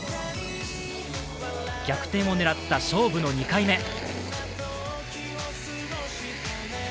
逆転を狙った勝負の２回目。